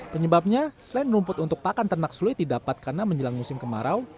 penyebabnya selain rumput untuk pakan ternak sulit didapat karena menjelang musim kemarau